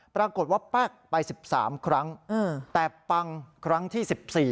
ปรากฏว่าแป๊กไป๑๓ครั้งแต่ปังครั้งที่๑๔